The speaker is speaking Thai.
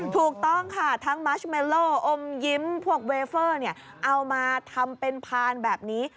ถูกต้องค่ะทั้งมัชเมโลอมยิ้มพวกเวเฟอร์เอามาทำเป็นพานแบบนี้